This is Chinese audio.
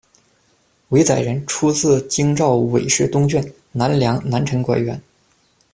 韦载人，出自京兆韦氏东眷，南梁、南陈官员。